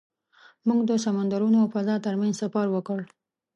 موږ د سمندرونو او فضا تر منځ سفر وکړ.